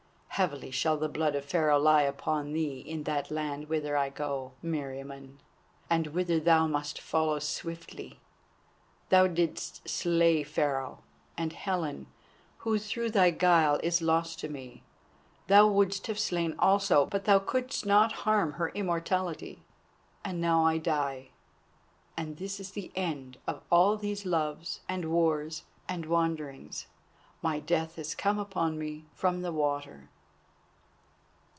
Heavily shall the blood of Pharaoh lie upon thee in that land whither I go, Meriamun, and whither thou must follow swiftly. Thou didst slay Pharaoh, and Helen, who through thy guile is lost to me, thou wouldst have slain also, but thou couldst not harm her immortality. And now I die, and this is the end of all these Loves and Wars and Wanderings. My death has come upon me from the water."